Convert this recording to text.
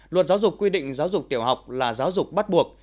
luật giáo dục quy định giáo dục tiểu học là giáo dục bắt buộc